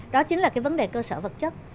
đó chính là vấn đề cơ sở vật chất